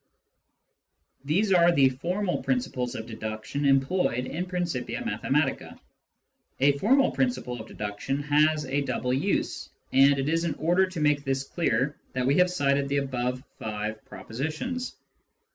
These are the formal principles of deduction employed in Principia Mathematica. A formal principle of deduction has a double use, and it is in order to make this clear that we have L cited the above five propositions.